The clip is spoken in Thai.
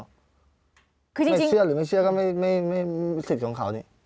ไม่เชื่อหรือไม่เชื่อก็ไม่สิทธิ์ของเขานี่